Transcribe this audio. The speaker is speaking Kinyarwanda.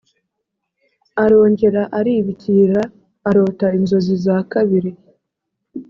arongera aribikira arota inzozi za kabiri